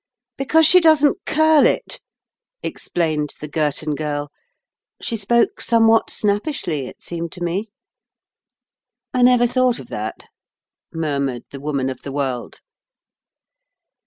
"Because she doesn't curl it," explained the Girton Girl. She spoke somewhat snappishly, it seemed to me. "I never thought of that," murmured the Woman of the World.